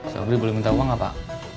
sobri boleh minta uang gak pak